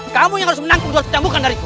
kamu yang harus menanggung dua cambukan dariku